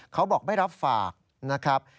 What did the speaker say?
เขาบอกไม่รับฝากนะครับ